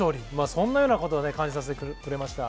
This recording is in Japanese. そんなようなことを感じさせてくれました。